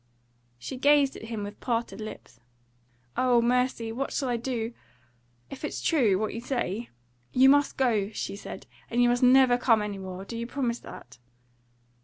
She gazed at him with parted lips. "Oh, mercy! What shall I do? If it's true what you say you must go!" she said. "And you must never come any more. Do you promise that?"